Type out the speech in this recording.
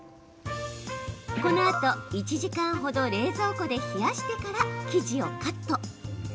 このあと１時間ほど、冷蔵庫で冷やしてから生地をカット。